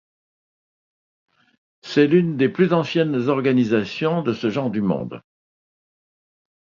C'est l'une des plus anciennes organisations de ce genre du monde.